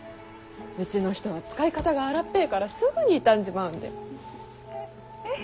うちの人は使い方が荒っぺぇからすぐに傷んじまうんで。